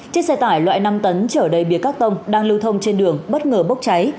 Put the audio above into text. chiếc xe tải loại năm tấn chở đầy bia cắt tông đang lưu thông trên đường bất ngờ bốc cháy